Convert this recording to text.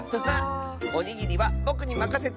おにぎりはぼくにまかせて！